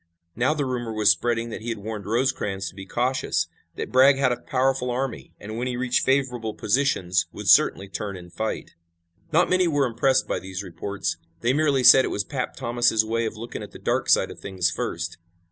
Now the rumor was spreading that he had warned Rosecrans to be cautious, that Bragg had a powerful army and when he reached favorable positions, would certainly turn and fight. Not many were impressed by these reports. They merely said it was "Pap" Thomas' way of looking at the dark side of things first.